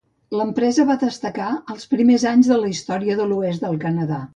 L'empresa va destacar als primers anys de la història de l'Oest del Canadà.